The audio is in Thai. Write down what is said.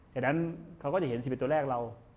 ฉะนั้นเขาก็จะเห็นสิบเอ็ดตัวแรกเรา